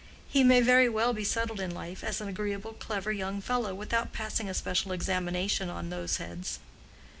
He may very well be settled in life as an agreeable clever young fellow without passing a special examination on those heads.